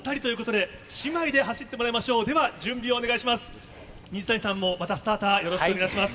では、準備をお願いします。